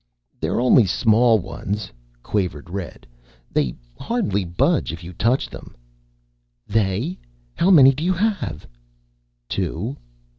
"They're only small ones," quavered Red. "They hardly budge if you touch them." "They? How many do you have?" "Two."